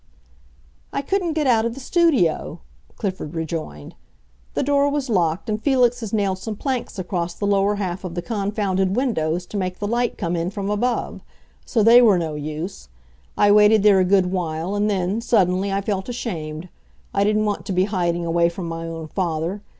"I couldn't get out of the studio," Clifford rejoined. "The door was locked, and Felix has nailed some planks across the lower half of the confounded windows to make the light come in from above. So they were no use. I waited there a good while, and then, suddenly, I felt ashamed. I didn't want to be hiding away from my own father.